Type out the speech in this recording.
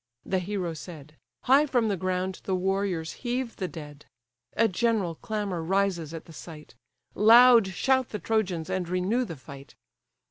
The hero said. High from the ground the warriors heave the dead. A general clamour rises at the sight: Loud shout the Trojans, and renew the fight.